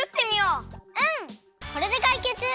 これでかいけつ！